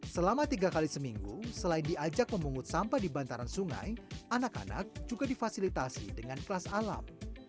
selama tiga kali seminggu selain diajak memungut sampah di bantaran sungai anak anak juga difasilitasi dengan kelas alam